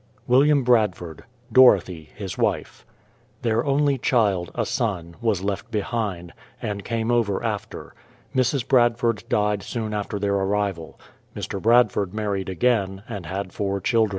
WILLIAM BRADFORD; Dorothy, his wife. Their only child, a son, was left behind, and came over after. Mrs. Bradford died soon after their arrival. Mr. Bradford married again, and had four children.